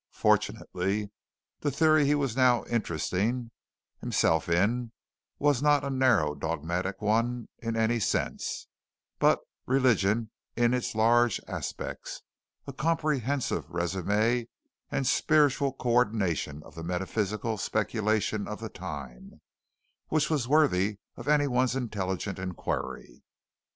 Fortunately the theory he was now interesting himself in was not a narrow dogmatic one in any sense, but religion in its large aspects, a comprehensive resumé and spiritual co ordination of the metaphysical speculation of the time, which was worthy of anyone's intelligent inquiry.